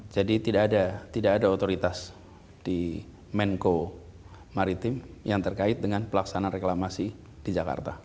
jadi tidak ada tidak ada otoritas di menko maritim yang terkait dengan pelaksana reklamasi di jakarta